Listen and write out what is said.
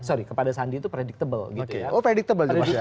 sorry kepada sandi itu predictable